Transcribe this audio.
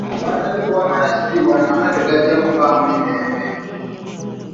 "Awatali kuwangana kitiibwa, amaka tegajja kubaamu mirembe."